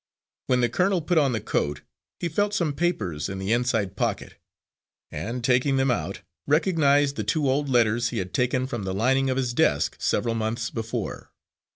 When the colonel put on the coat, he felt some papers in the inside pocket, and taking them out, recognised the two old letters he had taken from the lining of his desk several months before.